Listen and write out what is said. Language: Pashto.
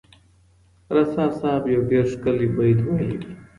رسا صاحب یو ډېر ښکلی بیت ویلی دی.